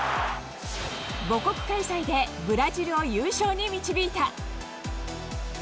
母国開催でブラジルを優勝に導いた。